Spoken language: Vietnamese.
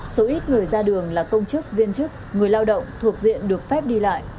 số ít người ra đường là công chức viên chức người lao động thuộc diện được phép đi lại